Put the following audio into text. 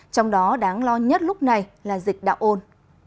trong đó đáng lo nhất lúc này là dịch đạo ôn